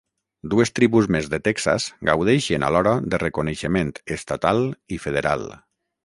Dues tribus més de Texas gaudeixen alhora de reconeixement estatal i federal.